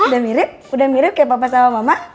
udah mirip udah mirip kayak papa sama mama